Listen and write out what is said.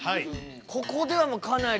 ここではかなり。